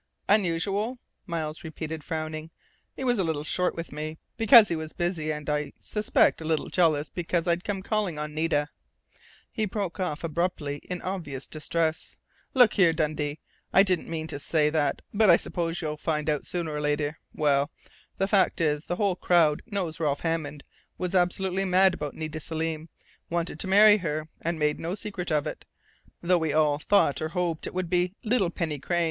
"Unusual?" Miles repeated, frowning. "He was a little short with me because he was busy, and, I suspect, a little jealous because I'd come calling on Nita " He broke off abruptly, in obvious distress. "Look here, Dundee! I didn't mean to say that, but I suppose you'll find out sooner or later.... Well, the fact is, the whole crowd knows Ralph Hammond was absolutely mad about Nita Selim. Wanted to marry her, and made no secret of it, though we all thought or hoped it would be little Penny Crain.